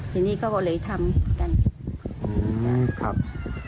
ทีนี้เขาก็เลยทำกัน